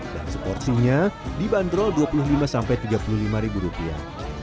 dan seporsinya dibanderol dua puluh lima tiga puluh lima ribu rupiah